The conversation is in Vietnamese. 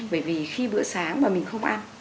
bởi vì khi bữa sáng mà mình không ăn